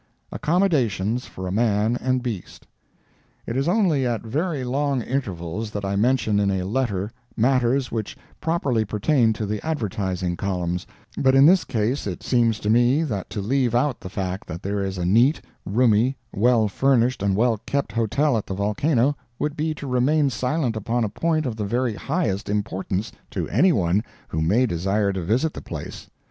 ACCOMMODATIONS FOR MAN AND BEAST It is only at very long intervals that I mention in a letter matters which properly pertain to the advertising columns, but in this case it seems to me that to leave out the fact that there is a neat, roomy, well furnished and well kept hotel at the volcano would be to remain silent upon a point of the very highest importance to anyone who may desire to visit the place.